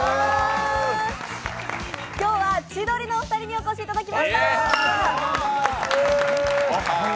今日は千鳥のお二人にお越しいただきました。